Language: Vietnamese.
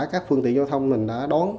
các phương tiện giao thông mình đã đón